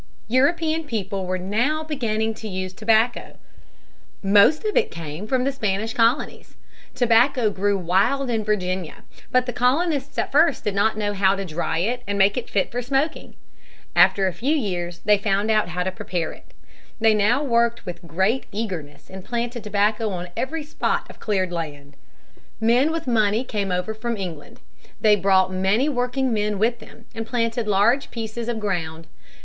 European people were now beginning to use tobacco. Most of it came from the Spanish colonies. Tobacco grew wild in Virginia. But the colonists at first did not know how to dry it and make it fit for smoking. After a few years they found out how to prepare it. They now worked with great eagerness and planted tobacco on every spot of cleared land. Men with money came over from England. They brought many workingmen with them and planted large pieces of ground.